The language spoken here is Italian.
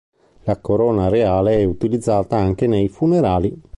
La corona reale è utilizzata anche nei funerali.